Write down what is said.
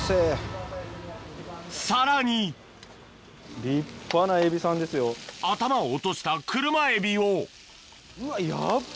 さらに頭を落としたクルマエビをうわヤッバ！